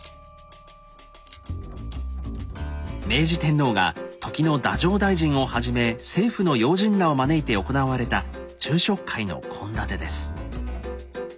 明治天皇が時の太政大臣をはじめ政府の要人らを招いて行われた昼食会の献立です。